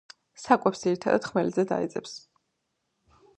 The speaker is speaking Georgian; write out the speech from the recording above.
საკვებს ძირითადად ხმელეთზე დაეძებს.